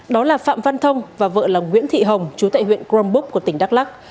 đó là phạm văn thông và vợ là nguyễn thị hồng chú tại huyện crombook của tỉnh đắk lắc